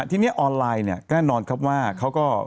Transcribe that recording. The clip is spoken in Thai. ที่นี่ออนไลน์ก็แน่นอนครับว่าเขาก็